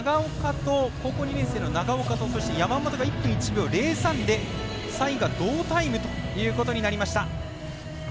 高校２年の長岡とそして、山本が１分１秒０３で３位が同タイムということになりました。